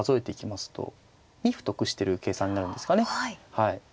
はい。